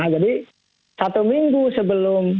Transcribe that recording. jadi satu minggu sebelum